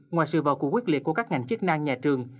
ngoài sự vào cuộc quyết liệt của các ngành chức năng nhà trường